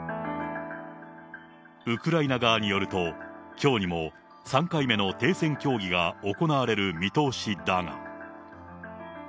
ウクライナ側によると、きょうにも３回目の停戦協議が行われる見通しだが。